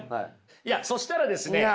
いやそしたらですね